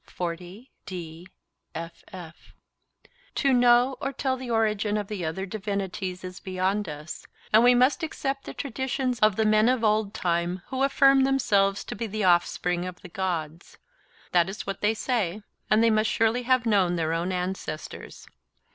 'To know or tell the origin of the other divinities is beyond us, and we must accept the traditions of the men of old time who affirm themselves to be the offspring of the Gods—that is what they say—and they must surely have known their own ancestors.